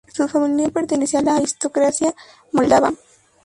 Su familia pertenecía a la aristocracia moldava.